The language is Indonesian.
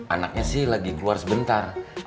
anaknya sih lagi keluar sebentar